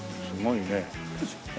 すごいね。